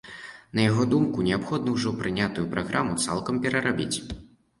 На яго думку, неабходна ўжо прынятую праграму цалкам перарабіць.